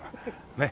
ねっ。